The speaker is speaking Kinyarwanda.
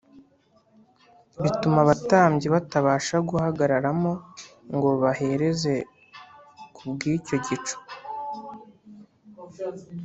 bituma abatambyi batabasha guhagararamo ngo bahereze ku bw’icyo gicu